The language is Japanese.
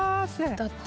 だって。